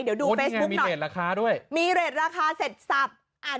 เดี๋ยวดูเฟซบุ๊กหน่อยเรทราคาด้วยมีเรทราคาเสร็จสับอ่าน